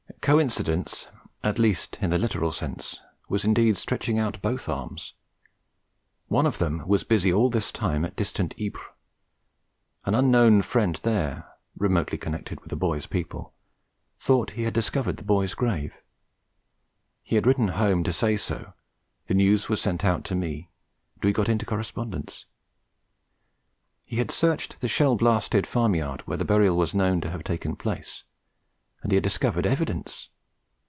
Coincidence (at least in the literal sense) was indeed stretching out both arms: one of them was busy all this time at distant Ypres. An unknown friend there, remotely connected with the boy's people, thought he had discovered the boy's grave. He had written home to say so; the news was sent out to me, and we got into correspondence. He had searched the shell blasted farm yard where the burial was known to have taken place, and he had discovered evidence.